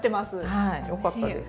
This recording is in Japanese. はいよかったです。